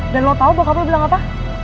dan lu tau bokap lo bilang apa